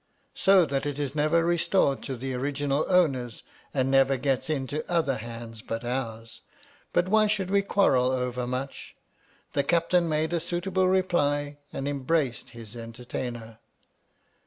So that it is never restored to the original owners and never gets into other hands but ours, why should we quarrel over much ! The Captain made a suitable reply and embraced his entertainer.